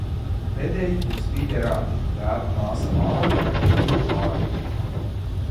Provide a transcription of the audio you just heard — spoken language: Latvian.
Vedēji būs Viļa radi tēva māsa Alma ar vīru Kārli.